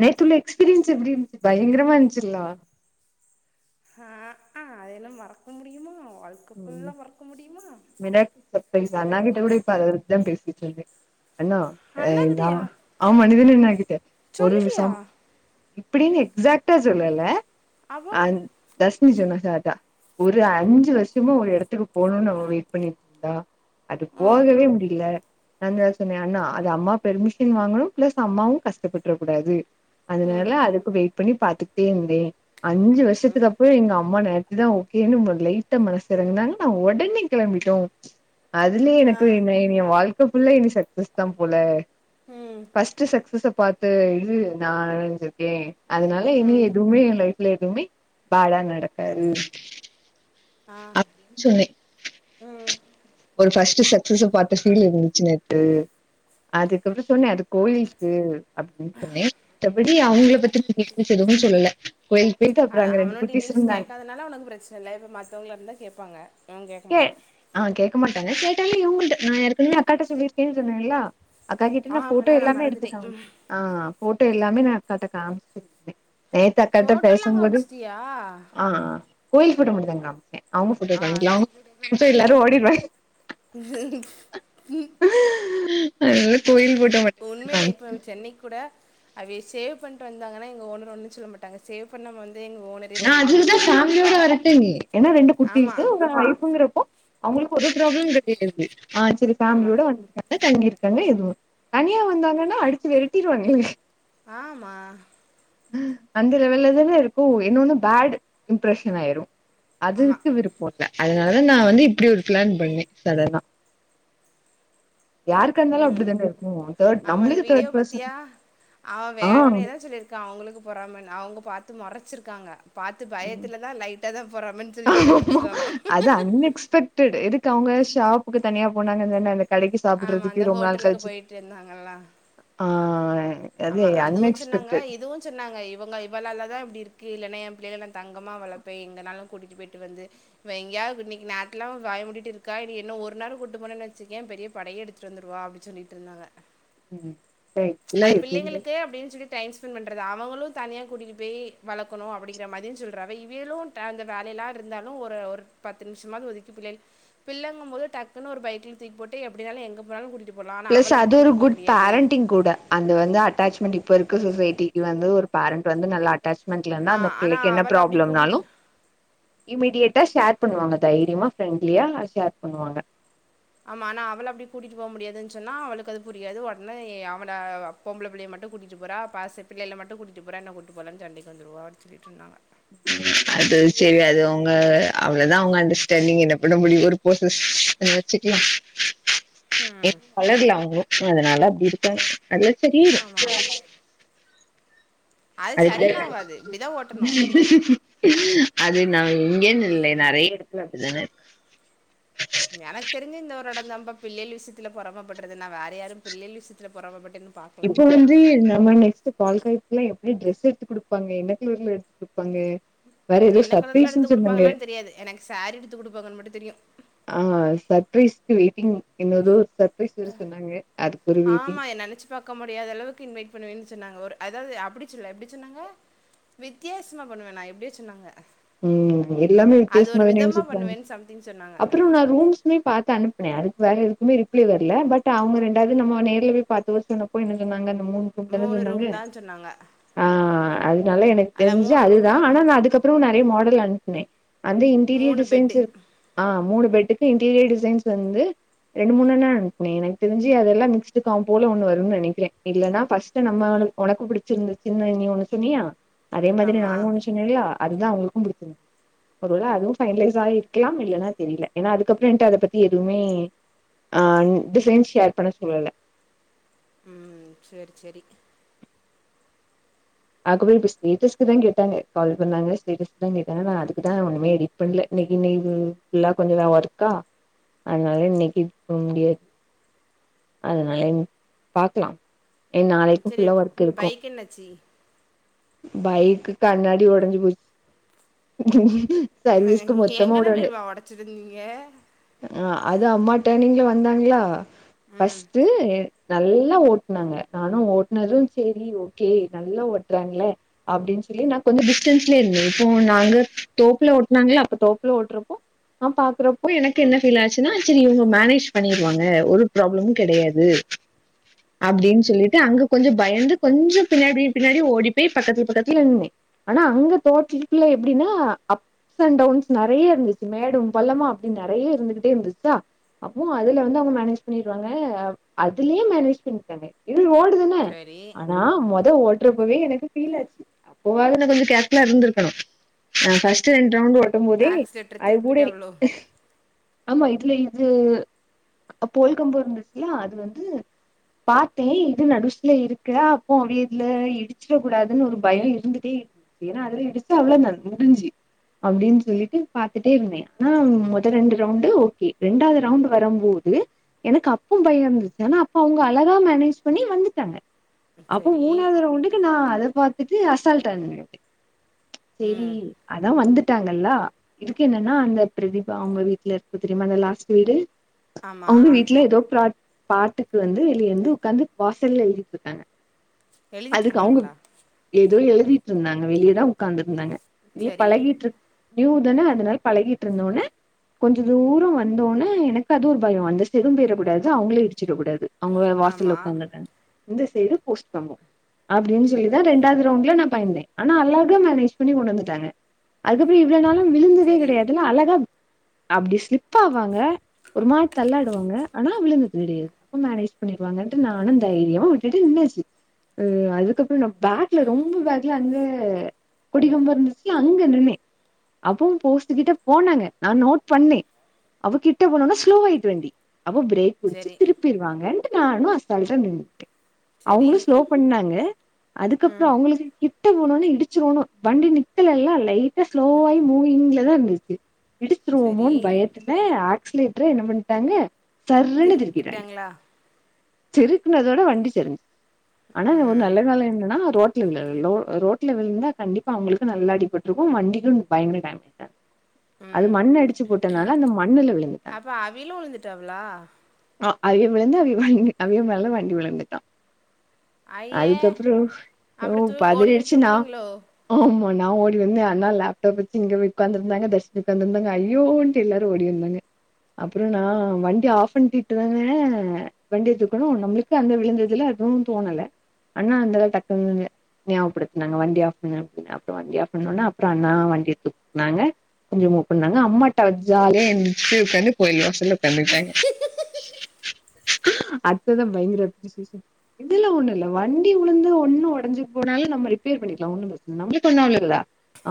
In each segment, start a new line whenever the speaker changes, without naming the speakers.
நேத்துள்ள experience எப்டி இருந்துச் பயங்கரமா இருந்ச்சிலா
ஆ அதெல்லா மறக்க முடியுமா வாழ்க்க ஃபுல்லா மறக்க முடியுமா
[inaudible] ப்ப எங்க அண்ணா கிட்ட கூட இப்ப அதபத்தா பேசிட்டிர்ந்தே அண்ணா ஆ நா
அண்ணாகிட்டயா
ஆமா நிதில் அண்ணா ஆ கிட்ட ஒரு ஒரு
சொல்லிட்டியா
சம் இப்பிடின் எக்ஸாக்டா சொல்லல
அப்போ
அந் தர்ஷினி சொன்னா கரட்டா ஒரு அஞ்சு வர்ஷமா ஒரு எடத்துக்கு போகணுன்னு அவ வெயிட் பண்ணிட்டு இருக்கா அது
ஆ
போகவே முடில நா தா சொன்னே அண்ணா அது அம்மா பெர்மிஷன் வாங்கனோ பிளஸ் அம்மாவு கஷ்டப்பட்ற குடாது
ம்
அதனால அதுக்கு வெயிட் பண்ணி பாத்துக்கிட்டே இருந்தே அஞ்ஜி வருஷத்துக்கப்றோ எங்க அம்மா நேத்துதா ஓகேன்னு லைட்டா மனசு தெறந்தாங்க நா ஒடனே கெளம்பிட்டோ அதுலயே
ஆ
எனக்கு என்னெ எனிய வாழ் க்க ஃபுல்லா இனி சக்ஸஸ் தா போல
ம்
ஃபஸ்ட்டு சக்ஸச பாத்த இது நா அழுதிட்டே அதனால இனி
ம்
எதுவுமே ஏ லைஃப்ல எதுவுமே பேடா நடக்காது
ஆ
சொன்னே
ம்
ஒரு ஃபஸ்ட்டு சக்சஸ பாத்த பீல் இருந்துச்சு நேத்து அதுக்கப்றோ சொன்னே அது போலீஸ்சு அப்டின்னு சொன்னே மத்தபடி அவங்கள பத்திச்ச எதுவும்மே சொல்லல கோயிலுக்கு போயிட்டு அப்புற அங்க ரெண்டு குட்டிஸ் இருந்தாங்க
அதனால உனக்கு பிரச்சன இல்ல இப்ப மத்தவங்களா இருந்தா கேப்பாங்க இவெ கேட்க
கே
மாட்டா
ஆ கேக்க மாட்டாங்க கேட்டாலு இவங்ள்ட நா ஏர்கனவே அக்காட்ட சொல்லிருக்கேனு சொன்னேல்ல அக்கா கிட்ட நா போட்டோ
ஆமாண்ணா நான்
எல்லாமே எடுத்து
மறந்துட்டேன்
காம்
ம்
ஆ போட்டோ எல்லாமே நா அக்காட்டா காம்ச்சிருந்தே நேத்து அக்காட்ட
ஃபோட்டோலாம்
பேசம்போது
காமிச்சிட்டியா
ஆ ஆ கோயில் போட்டோ மட்டுந்தா காமிச்சே அவங்க போட்டோ
ஆ
காமிக்கள அவங் ச்சா எல்லாரு ஓடிருவாங் மட்டுந்தா நா
உண்மையிலே
காமிச்சே
இப்ப சென்னைக் கூட அவ சேவ் பண்ணிட்டு வந்தாங்கன்னா எங்க ஓனர் ஒன்னு சொல்ல மாட்டங்க சேவ் பண்ணாம வந்து எங் ஓனர்
நா அதுக்குதா ஃபேமிலியோட வரட்டேங்க ஏன்னா ரெண்டு குட்டி இருக்கு
ஆமாம்
உங்க ஒய்ஃப்ங்கிறப்போ அவங்களுக்கு ஒரு ப்ராப்ளம் கெடையாது ஆ சரி
ஆமாம்
ஃபேமிலியோட வந் து தங்கிருக்காங்க எதுவு தனியா வந்தாங்கன்னா அடிச்சு வெரட்டிடுவாங்ளே
ஆமா
அந்த லெவல்ல தானே இருக்கு இன்னொன்னு பேடு இம்ப்ரெஷன் ஆயிரு
ஆமா
அதுக்கு விருப்போ இல்ல அதனால நா வந்து இப்டி ஒரு பிளான் பண்ணே சடனா யாருக்கா இருந்தாலு
ம்
அப்டித்தான இருக்கு தேர்ட்
ஆமா அந்த
நம்ளுக்கு
வீடியோ
தேர்ட் பர்சன்
பாத்தியா
ஆ
க்கு அவங்களுக்கு பொறாம அவங்க பாத்து மொறச்சிருக்காங்க பாத்து
ம்
பயத்திலதா லைட்டாதா பொறாமன்னு சொல்லிட்டு
ஆமா.
தப்பிச்சுட்டான்னா
அது அன்எக்ஸ்பெக்ட்டு இதுக்கு அவங்க ஷாப்புக்கு தனியா போனாங்கன் சொன்னொன்னே கடைக்கு
ஆமா அந்த
சாப்பிடுறதுக்கு ரொம்ப நாள்
ஹோட்டலுக்கு
கழிச்சு
போயிட்டு இருந்தாங்கல்ல
ஆ அது
ஆமா அதுவு சொன்னாங்க
அன்எக்ஸ்பெக்டட்.
இதுவு சொன்னாங்க இவங்க இவளாலதா இப்டி இருக்கு இல்லன்னா என் பிள்ளைகள நா தங்கமா வளப்பே எங்கனாலு கூட்டிட்டு போயிட்டு வந்து இப்ப எங்கியது இன்னைக்கு நேர்த்துலா வய முடிட்டு இருக்கா இனி இன்னு ஒருநேர கூட்டு போனன்னு வச்சுக்கேயே பெரிய படயே எடுத் ட்டு வந்துருவா அப்டினு சொல்லிட்டு இருந்தாங்க
ம் சரி
அது பிள்ளைங்களுக்கு அப்டின்னு சொல்லி டைம் ஸ்பெண்ட் பண்றது அவங்களு தனியா கூட்டிட்டு போய் வளக்கணு அப்டின்ற மாரி சொல்றாக இவியலு டா அந்த வேலையெல்லா இருந்தாலு ஒரு ஒரு பத்து நிமிஷமாவது ஒதுக்கி பிள்ளை பிள்ளங்கு போது டக்குன்னு ஒரு பைக்ல தூக்கி போட்டு எப்டினால எங்க போனாலு கூட்டி
பிளஸ் அது ஒரு குட் பேரண்டிங் கூட அந்த வந்து அட்டாச்மெண்ட் இப்ப இருக்கு சொசைட்டிக்கு வந்து ஒரு பேரண்ட் வந்து நல்ல அட்டாச் மென்ட்ல
ஆ
இருந்தா அந்த
ஆனா
பிள்ளைக்கு என்ன
அவள அப்படி
ப்ராப்ளம்னாலு
கூட்டிட்டு
இமிடியட்டா ஷேர் பண்ணுவாங்க தைரியமா ப்ரெண்ட்லியா ஷேர் பண்ணுவாங்க
ஆமா ஆனா அவள அப்டி கூட்டிட்டு போ முடியாதுன்னு சொன்னா அவளுக்கு அது புரியாது உடனே அவள பொம்பள பிள்ளைய மட்டு கூட்டிட்டு போரா பாச பிள்ளைகள மட்டு கூட்டிட்டு போரா என்னை கூட்டி போலனு சண்டைக்கு வந்துருவா அப்டினு சொல்லிட்டு இருந்தாங்க
அது சரி அது அவங்க அவ்ளோதா அவங்க அண்டர்ஸ்டாண்டிங் என்ன பண்ண முடியு [unintelligible] வச்சுக்கலா
ம்
[inaudible] அதனால அப்டி இருக்கா அதல்லா சரியாயிரு
ஆமா அது சரியில்லா
அதுக்குப்பெறகு
ஆவாது இப்படிதா ஓட்டணு
அது நாம இங்கன்னு இல்ல நெறய எடத்துல அப்டிதான
எனக்கு தெரிஞ்ச இந்த ஒரு எடந்தம்பா பிள்ளைல் விஷயத்துல பொறாமபடுறதுன்னா வேற யாரு பிள்ளைல் விஷயத்துல பொறாமப்பட்டேன்னு
இப்ப வந்து நம்ம நெக்ஸ் ட்டு பால்காய்ப்ப எல்லா எப்டி டிரெஸ் எடுத்து குடுப்பாங்க என்ன கலர்ல எடுத்து குடுப்பாங்க வேற ஏதோ
என்ன கலர்ல எடுத்து
சர்ப்ரைஸ்ன்னு சொன்னாங்க
குடுப்பாங்கன்னனு தெரியாது எனக்கு சேரி எடுத்து குடுப்பாங்கன்னு மட்டு தெரியு
ஆ சர்பரைஸ்க்கு வெயிட்டிங் என்னதோ ஒரு சர்பரைஸ்ன்னு சொன்னாங்க அதுக்கு ஒரு வெயிட்டிங்
பாக்க முடியாத அளவுக்கு இன்வைட் பண்ணுவன்னு சொன்னாங்க ஒரு அதாவது அப்டி சொல்ல எப்டி சொன்னாங்க வித்தியாசமா பண்ணுவேண்ணா எப்டியோ சொன்னாங்க
ம் து எல்லாமே
அது
வித்தியாசமா
ஒரு
தானே
விதமா
யோசிப்பாங்க
பண்ணுவேன்னு சம்திங் சொன்னாங்க
அப்றோ நா ரூம்ஸ் ம்மே பாத்து அனுப்பனே அதுக்கு வேற எதுக்குமே ரிப்ளை வரல பட் அவங்க ரெண்டாவது நம்ம நேர்ல போய் பாத்து சொன்னா அப்போ என்ன சொன்னாங்க என்னமோ
மூணு
க்கறது னாங்க
ரூம் தான் சொன்னாங்க
ஆ அதனால எனக்கு
அல்ல
தெரிஞ்சு
மூணு
அதுதா
ரூம்ல
ஆனா
மூ
நா அதுக்கப் றோ நெறைய மாடல் அனுப்புனே அந்த இன்டீரியர்
மூணு பெட்டு
டிசைன்ஸ்சு ஆ மூணு பெட்டுக்கு இன்டீரியர் டிசைன்ஸ் வந்து ரெண்டு மூணு தா அனுப்புனே எனக்கு தெரிஞ்சு அதெல்லா மிக்ஸ்டு காம்போல ஒன்னு வருன்னு நெனைக்கிறே இல்லன்னா ஃபர்ஸ்ட்டு நம்மள ஒனக்கு பிடிச்சிருந்துச்சுன்னு நீ ஒண்ணு சொன்னியா அதே மாதிரி
ஆமா
நானும் ஒண்ணு சொன்னேல்ல அதுதா அவங்களுக் க்கும் புடிக்கும் ஒருவேள அதுவும் பைனலைஸ் ஆய் இருக்கலாம் இல்லன்னா தெரியல ஏன்னா அதுக்கப்றோ ஏன்ட்ட அத பத்தி எதுமே ஆ டிசைன்ஸ் ஷேர் பண்ண சொல்லல
ம் செரி செரி
அதுக்கப்றோ இப்ப ஸ்டேட்டஸ்க்கு தா கேட்டாங்க கால் பண்ணாங்க ஸ்டேட்டஸ் தா கேட்டாங்க நா அதுக்கு தா ஒண்ணுமே எடி பண்ல இன்னைக்கு இன்னைல்லா நா கொஞ்ச ஒர்க்கா அதனால இன்னிக்கு போ முடியாது அதனால இன் பாக்கலா எ நாளைக்கும் ஃபுல்லா ஒர்க்கு இருக்கும்
என்னச்சி
பைக்கு கண்ணாடி ஒடஞ்சு போச்
நீ எங்கன தெரிமா ஒடச்சது நீயு
ஆ அது அம்மா டெர்னிங்ல்ல வந்தாங்களா
ம்
ஃபர்ஸ்ட்டு நல்லா ஓட்னாங்க நானும் ஓட்னதும் செரி ஓகே நல்லா ஓட் றாங்கலே அப்படின் சொல்லி நா கொஞ்ச டிஸ்டன்ஸ்லயே இருந்தே இப்போ நாங்க தோப்புல ஓட்னாங்களா அப்ப தோப்புல ஓட்றப்போ ஆ பாக்கறப்போ எனக்கு என்ன ஃபீல் ஆச்சுன்னா சரி இவங்க மேனேஜ் பண்ணிருவாங்க ஒரு ப்ராப்ளமும் கெடையாது அப்டின் சொல்லிட்டு அங்க கொஞ்ச பயந்து கொஞ்சோ பின்னாடி பின்னாடி ப்படி ஓடி போய் பக்கத்துல பக்கத்துல இருந்தே ஆனா அங்க தோட்டக்குலா எப்டின்னா அப் அப் அண்ட் டவுன்ஸ் நெறைய இருந்துச்சு மேடும் பல்லமா அப்படின் நெறைய இருந்துகிட்டே இருந்துச்சா அப்போ அதுல வந்து அவங்க மேனேஜ் பண்ணிரு வாங்க அதுலயே மேனேஜ் பண்ணிருக்காங்க இது ரோடுதான ன
சரி
ஆனா மொத ஓட் ரப்பவே எனக்கு ஃபீல் ஆச்சு அப்போவது நா கொஞ்ச கேர் ஃபுல்லா இருந்துருக்கணும் ஆ ஃபர்ஸ்ட்டு ரெண்டு ரவுண்டு ஓ ட்டும் போதே
ஆக்சிலேட்டர
அது கூட
திருப்பிட்டாவ்ளோ
ஆமா இதுல இது அப்போ வெல்கம் போட் இருந்துச்சில்ல அது வந்து பாத்தே இது நடுச்சுல இருக்கு அப்போ வீட்ல இ இடிச்சிட கூடாதுன் ஒரு பயோ இருந்துட்டே இரு ஏனா அதுல இடிச்சுட்டா அவ்ள தா முடிஞ்சு அப்படின் சொல்லிட்டு பாத்துட்டே இருந்தே ஆனா மொத ரெண்டு ரவுண்டு ஓகே ரெண்டாவது ரவுண்டு வரம்போது எனக்கு அப்ப பயோ இருந்தது ஆனா அப்ப அவங்க அழகா மேனேஜ் பண்ணி வந்துட்டாங்க அப்போ
சரி
மூணாவது ரவுண்டுக்கு நா அத பாத்துட்டு அசால்ட்டா நின்னே சரி
ம்
அதா வந்துட் ட்டாங்கல்லா இதுக்கு என்னன்னா அந்த பிரதீபா அவங்க வீட்ல இருக்க தெரியுமா அந்த லாஸ்ட்டு வீடு
ஆமா
அவங்க வீட்ல ஏதோ ப்ர பாட்டுக்கு வந்து வெளியேந்து உக்காந்து வாசல்ல எழுதிட்டு இருக்காங்க அதுக் அவங்க
எழுதிட்ருந்தாங்களா
ஏதோ எழுதிட்டு இருந்தாங்க வெளியதா உக்காந்து இருந்தாங்க இ
சரி
பழகிட்டு இரு நியூ தான அதனால பழகிட்டு இருந்த ஒன்னே கொஞ்ச தூரோ வந்தோனே எனக்கு அது ஒரு பயோ அந்த செய்டும் பொயற கூடாது அவங்களயு இடிச்சுற கூடாது அவங்க
ஆமா
வாசல்ல உக்காந்துருக்காங்க இந்த சைடு போஸ்ட் கம்போ அப்டின் சொல்லிதா ரெண்டாவது ரவுண்ட்ல நா பயந்தே ஆனா அழகா மேனேஜ் பண்ணி கொண்டு வந்துட்டாங்க அதுக்கப்றோ இவ்ளோ நாளா விழுந்ததே
சரி
கெடையாதுல்ல அழகா அப்டி ஸ்லிப்ப ஆவாங்க ஒரு மாரி தள்ளாடுவாங்க ஆனா விழுந்தது கெடயாது அப்ப மேனேஜ் பண்ணிக்குவாங்கண்ட்டு நானும் தைரியமா விட்டுட்டு நின்னாச்சு ஆ அதுக்கப்றோ நா பேக்ல ரொம்ப பேக்ல வந்து கொடி கம்போ இருந்துச்சில்ல அங்க நின்னே அப்பவு போஸ்ட் கிட்ட போனாங்க நா நோட் பண்ணே அப்ப கிட்ட போனொன்னே ஸ்லோவாயிட்டு வண்டி அப்ப பிரேக் புடிச்சி
சரி
திருப்பிருவாங்கட்டு நானு அசால்ட்டா நிண்ட
சரி
அவுங்களு ஸ்லோ பண்ணாங்க அதுக்கப்புறோ
ம்
அவுங்களுக்கு கிட்ட போனோனே இடிச்சிருவோனோ வண்டி நித்தல இல்ல லைட்டா ஸ்லோவாயி மூவிங்ல தா இருந்திச்சு
சரி
இடிச்சிருவோமோன் பயத்துல ஆக்ஸ்லைட்டர என்ன பண்டாங்க சர்ருன்னு திருக்கிட்டாங்க
திருப்பிட்டாங்களா
திருக்குனதோட வண்டி சரிஞ் ஆனா ஒரு
ம்
நல்ல காலோ என்னென்னா ரோட் விழல லோ ரோட்ல விழுந்தா கண்டிப்பா அவுங்களுக்கு நல்லா அடிபட்ருக்கு வண்டிக்கு பயங்கர டேமேஜ் அ அது
ம்
மண்ண அடிச்சி போட்டதுனால அந்த மண்ணுல விழுந்துட்டாங்க
அப்ப அவியளு உழுந்துட்டாவ்ளா
ஆ அவிய விழுந்து அவிய வண்டி அவிய மேல வண்டி விழுந்துட்டா
ஐயே
அதுக்கப்பறோ ஓ
அப்றோ தூக் ஓடி போய்
பதறியடிச்சி நா
தூக்குனீங்ளோ
ஆமா நா ஓடி வந்து அண்ணா லேப்டாப்பு வெச்சி இங்க போய் உக்காந்து இருந்தாங்க தர்ஷ்னி உக்காந்து இருந்தாங்க ஐயோ எல்லாரு ஓடி வந்தாங்க அப்புறோ நா வண்டி ஆஃப் பண்ணிட்டு வரே வண்டி தூக்கணும் நம்புளுக்கு அந்த விழுந்ததுல அதுவு தோணல அண்ணா வந்து டக்குனு நியாபடுத்துனாங்க வண்டி ஆஃப் பண்ண அப்டினா அப்புறோ வண்டி ஆஃப் பண்ணுனோனா அப்புற அண்ணா வண்டிய தூக்குனாங்க கொஞ்சொ மூவ் பண்ணாங்க அம்மா டா ஜாலியா எந்திச்சி உக்காந்து போயிலோ செல்ல உக்காந்துட்டாங்க அத்தது தா பயங்கர அப்ரிஸியேஷன் இதெல்லா ஒன்னு இல்ல வண்டி உளுந்து ஒன்னோ ஒடஞ்சி போனாலு நம்ம ரிப்பேர் பண்ணிக்கலா ஒண்ணு பெரச்சனல நம்புளுக்கு ஒன்னு ஆவுலல்ல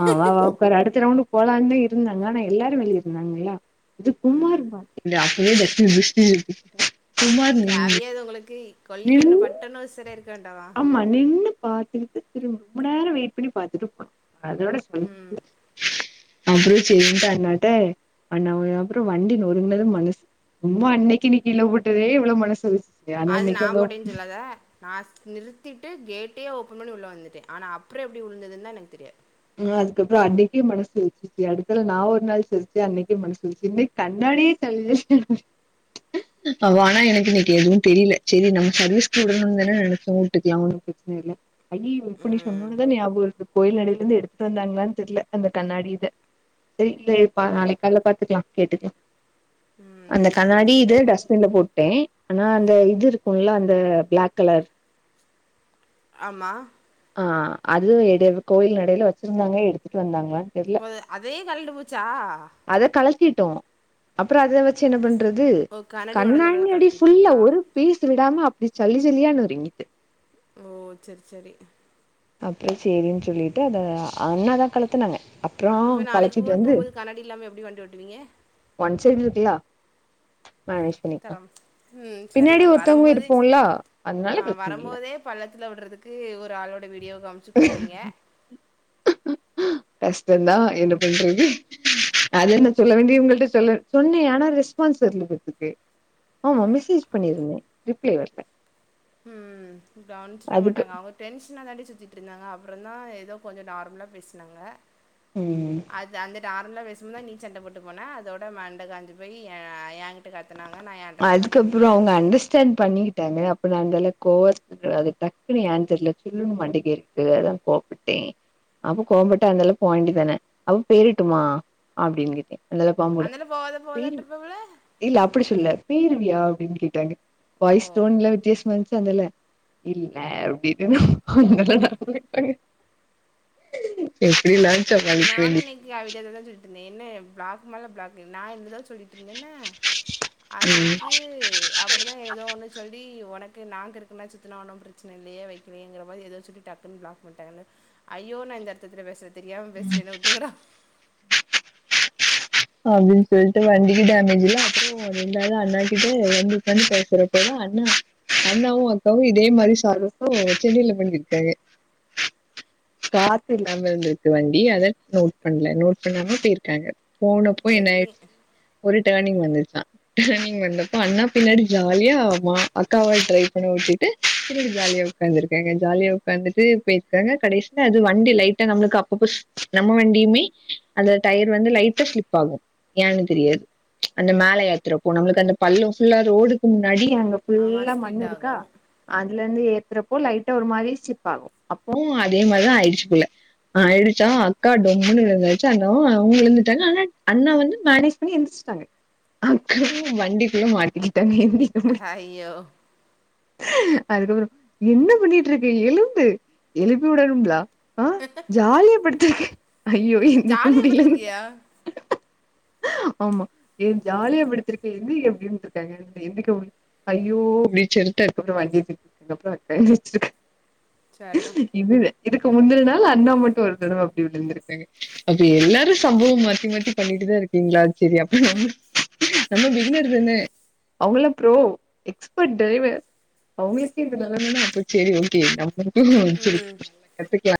அ வா வா உக்காரு அடுத்து ரவுண்டு போலான்னு இருந்தாங்க ஆனா எல்லாரு வெளியிருந்தாங்களா இது
ம்
குமார் பாதிங்கலா அப்டியே தஸூ பூஸூ [unintelligible]
தேவையா இது உங்களுக்கு
நின்னு
கொல்லிககண்ணு பட்டோனோ செரியாயிருக்க வேண்டாமா
நின்னு பாத்துட்டு திரும் ரொம்ப நேர வெயிட் பண்ணி பாத்துட்டு அதோட [unintelligible]
ம்
அப்டியே சென்ட் அண்ணாட்ட அண்ணா அப்றோ வண்டி நொறுங்கனது மனசு சும்மா அன்னக்கி நீ கீழ போட்டதே இவ்ளோ எவ்ளோ மனசு உரு
அது நா போட்டனு சொல்லாத நா நிறுத்திட்டு கேட்டே ஓப்பன் பண்ணி உள்ள வந்துட்டே ஆனா அப்றோ எப்டி உழுந்துன்ன எனக்கு தெரியாது
அதுக்கப்பறோ அன்னைக்கே மனசுச்சி அடுத்தது நா ஒரு நாள் சிரிச்சு அன்னைக்கி மனசுச்ச இன்னிக் கண்ணாடியி சல்ல அவ ஆனா எனக்கு இனக்கி எதுவு தெரில செரி நம்ம சர்வீஸ் உடுனோம் தான நெனச்சோ உட்டுக்கலா இல்ல ஐயயோ இப்ப நீ
ம்
சொன்னோன தா ஞாபகத்துக்கு கோயில் நடையிலருந்து எடுத் து வந்தாங்களானு தெர்ல அந்த கண்ணாடி இத செரி இல்லயப்பா நாளைக் காலைல பாத்துக்லா கேட்டு
ம்
அந்த
சரி
கண்ணாடி
சரி
இது டஸ்ட்பின்ல போட்டே ஆனா அந்த இது இருக்குல்ல அந்த பிளாக் கலர்
ஆமா
அ அது எடு கோயில் நடையில வச்சிருந்தாங்க எடுத்துட்டு வந்தாங்க
போ அதே கழண்டு போச்சா
அத கழட்டிட்டோ அப்றோ அ த வச்சி என்ன பண்றது
ஓ
கண்ணாடி
உடஞ்சனால
அடி ஃபுல்லா
கழட்டிட்டீங்களா
ஒரு பிஸ் விடாம அப்டி சல்லி சலியா நொறுங்கிட்டு
ஓ சேரி சேரி
அப்றோ சேரினு சொல்லிட்டு அத அண்ணாதா கழத்துனாங்க அப்புறோ
இப்ப நாளைக்கி
கழச்சிட்டு
ஊர்க்
வந்து
போம்போது கண்ணாடி இல்லாம எப்டி வண்டி ஓட்டுவீங்க
ஒன் சைட் இருக்குலா ம் பண்ணிட்டா
தரம் ம்
பின்னாடி
சரிதான்
ஒருத்தவுங்க
வரும்போது
இருப்போல்ல அதனால பெரச்சன இல்ல
பள்ளத்தல உடுறதுக்கு ஒரு ஆளோட வீடியோ காமிச்சி சொன்னீங்க
கஷ்டதா என்ன பண்றது அது என்ன சொல்ல வேண்டியவங்கள்ட சொல் சொன்னே ஆனா ரெஸ்பான்ஸ் இல்ல அதுக்கு ஆமா மெசேஜ் பண்ணிருந்தே ரிப்ளே வர்ல
ம் கவனிச்சிர்க மாட்டாங்க அவ டென்ஷனா தான்டி சுத்திட்டு இருந்தாங்க அப்றோ தா ஏதோ கொஞ்சோ நார்மலா பேசனாங்க
ம்
அது அந்த நார்மலா பேசன நீ சண்ட போட்டு போன அதோட மண்ட காஞ்சி போய் ஏ ஏகி ட்ய கத்தனாங்க நா என்டல்லா கத்தாதீங்க
ச்சன் பண்ணிட்டாங்க அப்ப நா அந்தளவு கோவ த்துவ அது டக்குனு யானு தெர்ல அது சுல்லுனு மண்டைக்கு ஏறிட்டு அதா கோவபட்டே அப்ப கோவபட்டா அந்தில்ல போவேண்டி தான அவ பேய்டுமா அப்டின்னு கிட்ட
அதலா போவாத போவாதண்டுருபாங்கலே
இல்ல அப்டி சொல்லல பேய்ருவியா அப்டினு கேட்டாங்க
ஓ!
வாய்ஸ் டோன் லா வித்யாசமா இருந்துச்சுல அந்தால இல்ல அப்டினு உங்களால நா போறன்டாங்க சேரி சேரி லன்ச் ஹவர்ல பேசறடி
இல்ல அவட்ட ஐடியா தா சொல்லிட்யிருந்தே என்ன பிளாக் மேல பிளாக் நா இந்த தட சொல்லிட்டு இருந்தன்னா
ம்
அதுக்கு அப்டிதா ஏதோ ஒன்னு சொல்லி உனக்கு நா கிருக்கு மாதிரி சுத்துனா ஒன்னு பிரச்சன இல்லயே வைக்கலயேங்கற மாறி ஏதோ சொல்லி டக் பிளாக் பண்ட்டாங்கன்னு ஐயோ நா இந்த அர்த்தத்துல பேசல தெரியாம பேசிட்டே என்ன வுட்ருங்கடா
அப்டின்ட்டு சொல்ட்டு வண்டிக்கு டெமேஜ் இல்ல அப்றோ ரெண்டாது அண்ணா கிட்ட வந்து வுக்காந்து பேசுறே அப்பதா அண்ணா அண்ணாவு அக்காவு இதே மாரி சாகசோ சென்னைல பண்ணிருக்காங்க காத்து இல்லாம இருந்திருக்கு வண்டி அத நோட் பண்ணல நோட் பண்ணாம பேயிருக்காங்க போனப்போ என்ன
சரி
ஆயிருச்சு ஒரு டேனிங் வந்துச்சா டனிங் வந்தப்போ அண்ணா பின்னாடி ஜாலியா மா அக்காவ ட்ரை பண்ண விட்டிட்டு பின்னாடி ஜாலியா உக்காந்துருக்காங்க ஜாலியா உக்காந்துட்டு பேயிருக்காங்க கடைசில அது வண்டி லைட்டா நம்ளுக்கு அப்பப்போ நம்ம வண்டியுமே அந்த டயர் வந்து லைட்டா ஸ்லிப் ஆகு யன்னு தெரியாது அந்த மேல ஏத்துரப்போ நம்ளுக்கு அந்த பள்ளோ ஃபுல்லா ரோடுக்கு முன்னாடி அங்க
ஆமா
ஃபுல்லா மண்ணு
ஸ்கிட்
இருக்கா
ஆகும்
அதுல இருந்து ஏத்துறப்போ லைட்டா ஒரு மாரி ஸ்லிப் ஆகு அப்போவு அதே மாரிதா ஆயிடுச்சு போல ஆ ஆயிடுச்சா அக்கா டொம்முன்னு விழுந்தாச்சு அண்ணாவும் அவங்க எழுந்துருச்சு ட்டாங்க ஆனா அண்ணா வந்து மேனேஜ் பண்ணி எந்திசிட்டாங்க அக்கா தா வண்டி குள்ள மாட்டிக்கிட்டாங்க எந்தி
ஐயோ
அதுக்கப்றோ என்ன பண்ணிட்டு இருக்க எழும்பு எழுப்பி விடணும்லா ஆ ஜாலியா படுத்துருக்க ஐயோ எந்திக்க
ஜாலியா
முடியல
படுத்திருக்கியா
ஆமா ஏ ஜாலியா படுத்துருக்கீங்க எந்திரி அப்டின்ருக்காங்க எந்திக்க முடிய ஐயோ அப்டினு சொல்ட்டு அதுக்கப்றோ வன்டிய தூக்கி விட்டதுக்கப்றோ அக்கா எந்திச்சிருக்கா
சரிதா
இதுவ இதுக்கு முந்தன நாள் அண்ணா மட்டு ஒரு தடவ அப்டி விழுந்துருக்காங்க அப்ப எல்லாரு சம்பவமா மாத்தி மாத்தி பண்ணிட்டு தா இருக்கீங்களா செரி அப்ப நம்ம நம்ம பிகின்னர் தான அவங்களா ப்ரோ எக்ஸ்பட் ட்ரைவர் அவங்களுக்கே இந்த நலமன்னா அப்போ செரி ஓகே நம்ளுக்கு செரி
ம்
கத்துக்லா